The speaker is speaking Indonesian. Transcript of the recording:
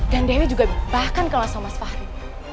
dan dewi juga bahkan kenal sama mas fahri